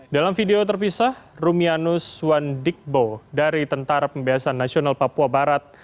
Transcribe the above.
dalam video terpisah rumianus wandikbo dari tentara pembiasaan nasional papua barat